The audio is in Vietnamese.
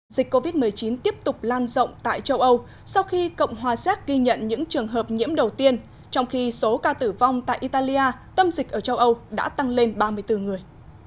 dịch covid một mươi chín tiếp tục lan rộng tại châu âu sau khi cộng hòa xét ghi nhận những trường hợp nhiễm đầu tiên trong khi số ca tử vong tại italia tâm dịch ở châu âu đã tăng lên ba mươi bốn người